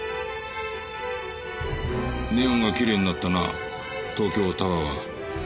ネオンがきれいになったな東京タワーは。